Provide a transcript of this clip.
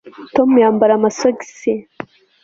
tom yambara amasogisi